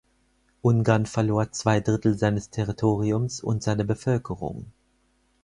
Ungarn verlor zwei Drittel seines Territoriums und seiner Bevölkerung.